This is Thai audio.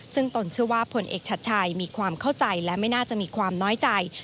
ซึ่งตนเชื่อว่าผลเอกชัดชัยมีความเข้าใจและไม่น่าจะมีความน้อยใจ